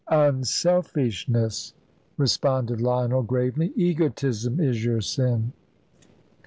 "Unselfishness," responded Lionel, gravely; "egotism is your sin."